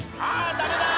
ダメだ！